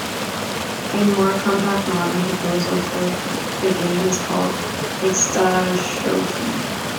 A more compact modern proposal for the game is called hishigata shogi.